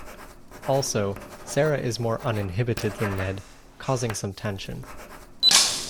Also, Sara is more uninhibited than Ned, causing some tension.